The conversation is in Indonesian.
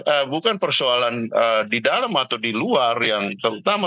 eh bukan persoalan di dalam atau di luar yang terutama